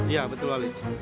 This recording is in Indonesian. iya betul wali